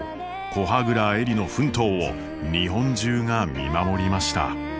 古波蔵恵里の奮闘を日本中が見守りました。